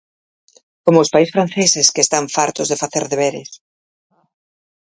Como os pais franceses, que están fartos de facer deberes.